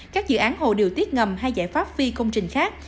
các dự án hồ điều tiết ngầm hay giải pháp phi công trình khác